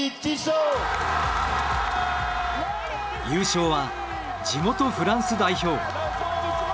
優勝は地元フランス代表。